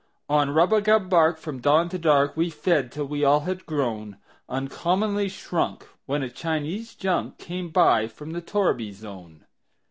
On rubagub bark, from dawn to dark, We fed, till we all had grown Uncommonly shrunk, when a Chinese junk Came by from the torriby zone.